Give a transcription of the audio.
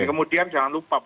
jadi kemudian jangan lupa